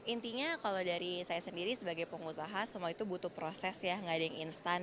intinya kalau dari saya sendiri sebagai pengusaha semua itu butuh proses ya nggak ada yang instan